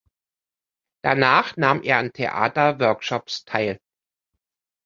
Danach nahm er an Theaterworkshops teil.